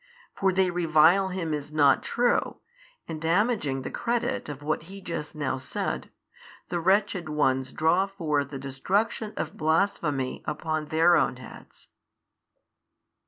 For they revile Him as not true, and damaging the credit of what He just now said, the wretched ones draw forth the destruction of blasphemy upon their own heads.